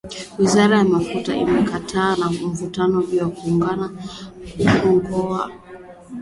Wizara ya Mafuta imekutana na mivutano juu ya kiwango ambacho serikali inatakiwa kuyalipa makampuni ya mafuta.